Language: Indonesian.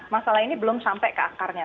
masalah ini belum sampai ke akarnya